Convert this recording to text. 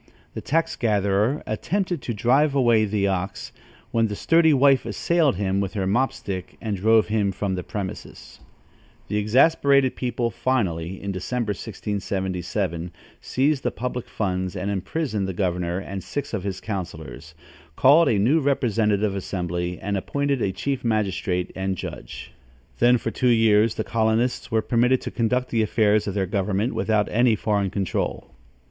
The tax gatherer attempted to drive away the ox, when the sturdy wife assailed him with her mop stick and drove him from the premises. [Illustration: The sturdy wife assailed him with her mop stick and drove him away.] The exasperated people finally, in December, 1677, seized the public funds and imprisoned the governor and six of his councillors, called a new representative assembly and appointed a chief magistrate and judge. Then, for two years, the colonists were permitted to conduct the affairs of their government without any foreign control.